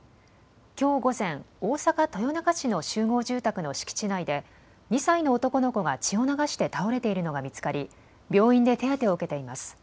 きょう午前、大阪豊中市の集合住宅の敷地内で２歳の男の子が血を流して倒れているのが見つかり病院で手当てを受けています。